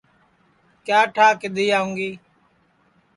کیا ٹھا کِدھی آوں گی